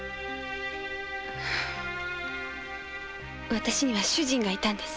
私には主人がいたんです。